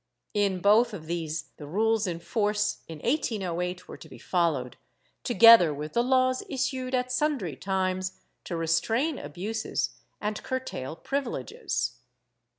In both of these the rules in force in 1808 were to be followed, together with the laws issued at sundry times to restrain abuses and curtail privileges.